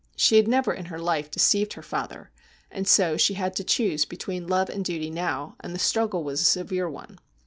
She had never in her life deceived her father, and so she had to choose be tween love and duty now, and the struggle was a severe one.